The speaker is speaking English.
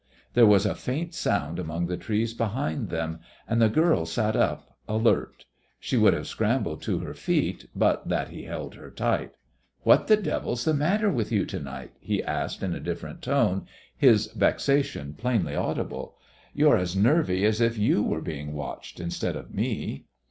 There was a faint sound among the trees behind them, and the girl sat up, alert. She would have scrambled to her feet, but that he held her tight. "What the devil's the matter with you to night?" he asked in a different tone, his vexation plainly audible. "You're as nervy as if you were being watched, instead of me."